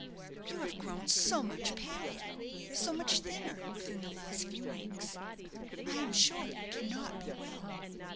You have grown so much paler, so much thinner, within the last few weeks. I am sure you cannot be well."